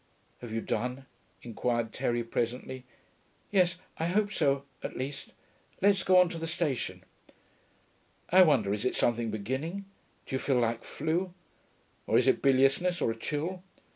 'Have you done?' inquired Terry presently. 'Yes. I hope so, at least. Let's go on to the station.' 'I wonder, is it something beginning? Do you feel like flu? Or is it biliousness, or a chill?